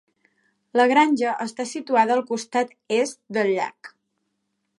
La granja està situada al costat est del llac.